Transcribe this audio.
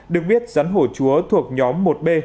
được biết rắn hổ chúa thuộc nhóm một b